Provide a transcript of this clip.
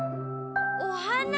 おはな？